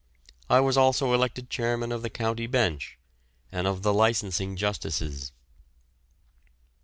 I was also elected chairman of the County Bench and of the Licensing Justices.